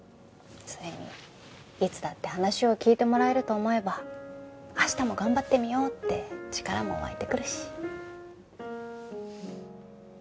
それにいつだって話を聞いてもらえると思えば明日も頑張ってみようって力も湧いてくるし。